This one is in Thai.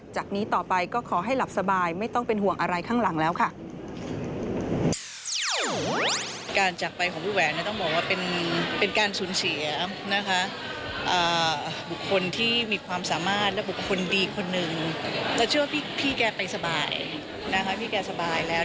จากนี้ต่อไปก็ขอให้หลับสบายไม่ต้องเป็นห่วงอะไรข้างหลังแล้วค่ะ